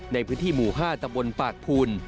ในพื้นที่หมู่๕ตะบนปากภูน